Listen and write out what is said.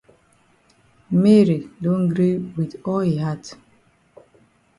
Mary don gree wit all yi heart.